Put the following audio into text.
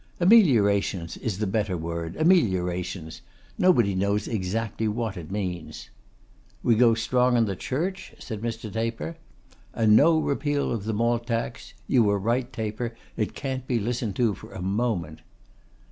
'Ameliorations is the better word, ameliorations. Nobody knows exactly what it means.' 'We go strong on the Church?' said Mr. Taper. 'And no repeal of the Malt Tax; you were right, Taper. It can't be listened to for a moment.